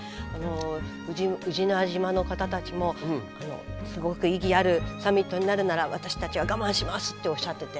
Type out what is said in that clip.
宇品島の方たちもすごく意義あるサミットになるなら私たちは我慢しますっておっしゃってて。